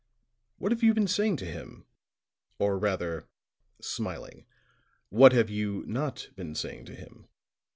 What have you been saying to him? or rather," smiling, "what have you not been saying to him?"